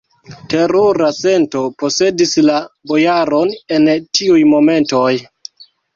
Terura sento posedis la bojaron en tiuj momentoj!